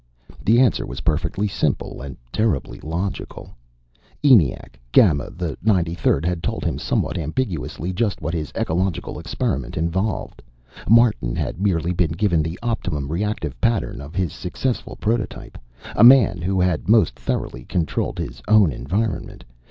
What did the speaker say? The answer was perfectly simple and terribly logical. ENIAC Gamma the Ninety Third had told him, somewhat ambiguously, just what his ecological experiment involved. Martin had merely been given the optimum reactive pattern of his successful prototype, a man who had most thoroughly controlled his own environment.